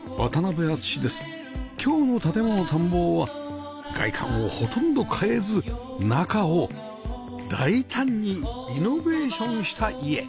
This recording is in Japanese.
今日の『建もの探訪』は外観をほとんど変えず中を大胆にリノベーションした家